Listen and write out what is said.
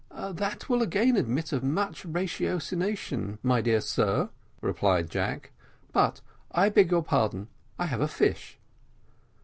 "That will again admit of much ratiocination, my dear sir," replied Jack; "but I beg your pardon, I have a fish."